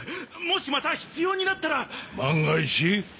もしまた必要になったら